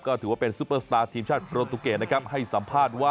ก็ถือว่าเป็นซูเปอร์สตาร์ทีมชาติโปรตเกต